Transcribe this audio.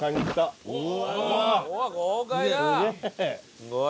すごい。